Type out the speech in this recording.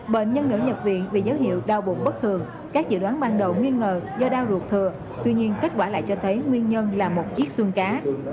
bệnh nhân nữ nhập viện vì dấu hiệu đau bụng bất thường các dự đoán ban đầu nghi ngờ do đau ruột thừa tuy nhiên kết quả lại cho thấy nguyên nhân là một chiếc xuông cá